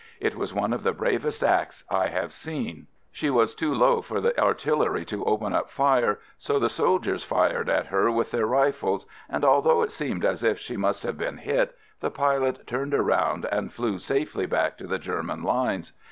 It was one of the bravest acts I have seen. She was too low for the artillery to open up fire, so the soldiers fired at her with their rifles, and although it seemed as if she must have been hit, the pilot turned 110 AMERICAN AMBULANCE around and flew safely back to the Ger man lines.